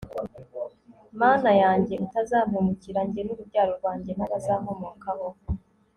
mana yanjye utazampemukira jye n'urubyaro rwanjye n'abazankomokaho